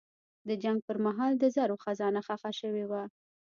د جنګ پر مهال د زرو خزانه ښخه شوې وه.